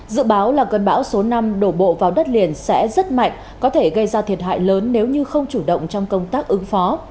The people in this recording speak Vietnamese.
dự báo là cơn bão số năm đổ bộ vào đất liền sẽ rất mạnh có thể gây ra thiệt hại lớn nếu như không chủ động trong công tác ứng phó